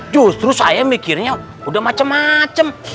justru saya mikirnya udah macem macem